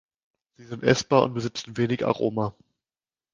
Sie sind essbar und besitzen wenig Aroma.